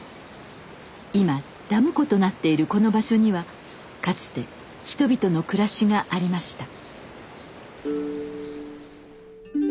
今ダム湖となっているこの場所にはかつて人々の暮らしがありました。